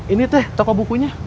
ini teh toko bukunya